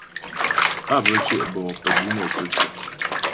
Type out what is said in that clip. Á bə́ tyɛ' bɔ'ó pə́jwǐ nɛ tsə̌tsʉ.